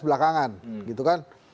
belakangan gitu kan